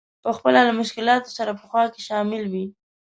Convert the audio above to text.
په خپله له مشکلاتو سره په خوا کې شامل وي.